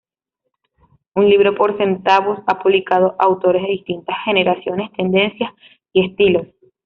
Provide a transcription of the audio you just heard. Un libro por centavos ha publicado a autores de distintas generaciones, tendencias y estilos.